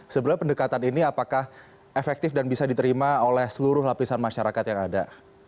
sebenarnya pendekatan ini apakah efektif dan bisa diterima oleh seluruh lapisan masyarakat yang ada